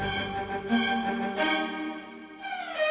ini pancu yang nyambut bayi